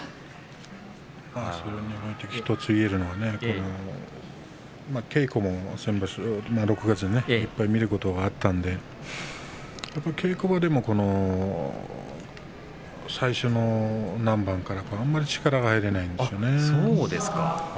それに１つ言えるのは稽古も先場所６月、いっぱい見ることがあったので稽古場でも最初の何番かあまり力を入れないんですよね。